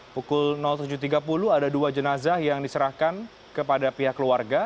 pukul tujuh tiga puluh ada dua jenazah yang diserahkan kepada pihak keluarga